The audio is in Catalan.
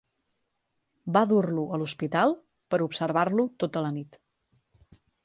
Val dur-lo a l'hospital per observar-lo tota la nit.